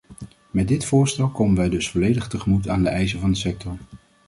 Met dit voorstel komen wij dus volledig tegemoet aan de eisen van de sector.